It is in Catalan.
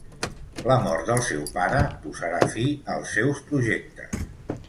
La mort del seu pare posarà fi als seus projectes.